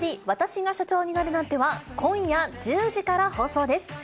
わたしが社長になるなんては、今夜１０時から放送です。